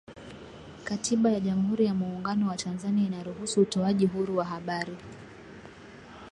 katiba ya jamhuri ya muungano wa tanzania inaruhusu utoaji huru wa habari